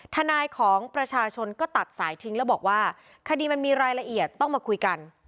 ทนายของประชาชนก็ตัดสายทิ้งแล้วบอกว่าคดีมันมีรายละเอียดต้องมาคุยกัน